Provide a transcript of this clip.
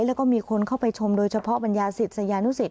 แล้วก็มีคนเข้าไปชมโดยเฉพาะบรรยาศิษยานุสิต